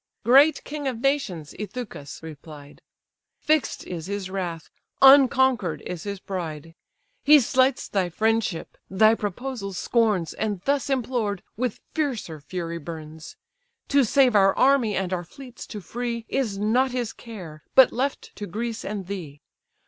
"Great king of nations! (Ithacus replied) Fix'd is his wrath, unconquer'd is his pride; He slights thy friendship, thy proposals scorns, And, thus implored, with fiercer fury burns. To save our army, and our fleets to free, Is not his care; but left to Greece and thee.